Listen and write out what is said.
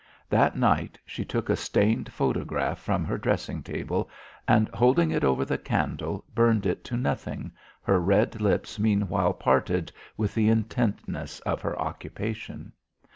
That night she took a stained photograph from her dressing table and holding it over the candle burned it to nothing, her red lips meanwhile parted with the intentness of her occupation.